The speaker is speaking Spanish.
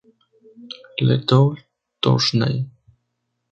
Le Thoult-Trosnay